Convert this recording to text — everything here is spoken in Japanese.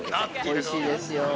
◆おいしいですよ。